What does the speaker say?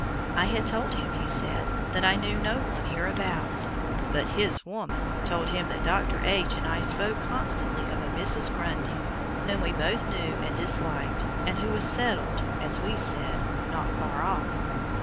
I had told him, he said, that I knew no one hereabouts, but "his woman" told him that Dr. H. and I spoke constantly of a Mrs. Grundy, whom we both knew and disliked, and who was settled, as we said, not far off!